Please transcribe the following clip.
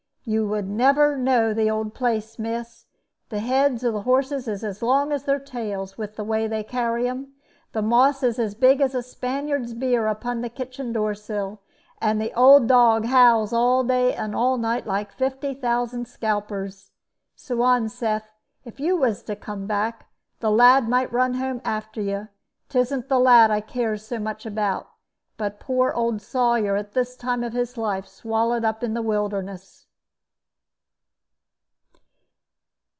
You never would know the old place, miss. The heads of the horses is as long as their tails with the way they carry them; the moss is as big as a Spaniard's beard upon the kitchen door sill; and the old dog howls all day and night, like fifty thousand scalpers. Suan saith, if you was to come back, the lad might run home after you. 'Tisn't the lad I cares about so much, but poor old Sawyer, at his time of life, swallowed up in the wilderness."